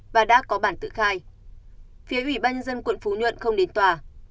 và đã có bản tự khai phía ủy ban nhân dân quận phú nhuận không đến tòa